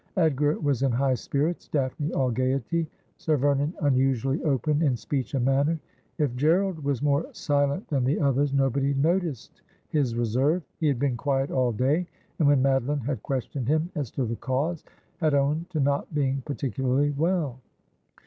Edgar was in high spirits ; Daphne all gaiety ; Sir Vernon unusually open in speech and manner. If G erald was more silent than the others, nobody noticed his reserve. He had been quiet all day, and when Madeline had questioned him as to the cause, had owned to not being particularly well.